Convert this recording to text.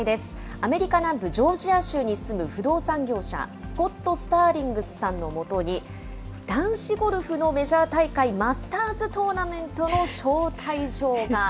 アメリカ南部ジョージア州に住む不動産業者、スコット・スターリングスさんのもとに、男子ゴルフのメジャー大会、マスターズ・トーナメントの招待状が。